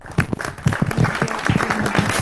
Site দিয়া কী হবে?